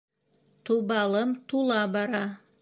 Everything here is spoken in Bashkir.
Тубалым тула бара.